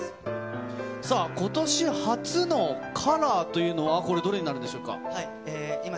さあ、ことし初のカラーというのは、これ、どれになるんでしょうか。